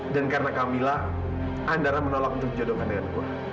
dan karena kamila andara menolak untuk dijodohkan dengan gue